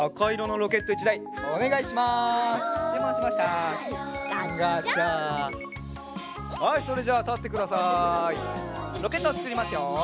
ロケットをつくりますよ。